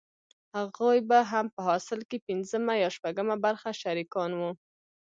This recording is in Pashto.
هغوې به هم په حاصل کښې پينځمه يا شپږمه برخه شريکان وو.